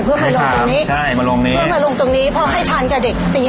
เพื่อมาลงตรงนี้เพื่อมาลงตรงนี้พอให้ทันกับเด็กตี๕๓๐